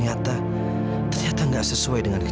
jelas belum dok